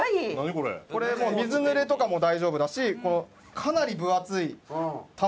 これ水濡れとかも大丈夫だしかなり分厚い単行本とかも。